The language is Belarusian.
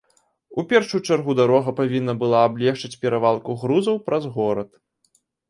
У першую чаргу дарога павінна была аблегчыць перавалку грузаў праз горад.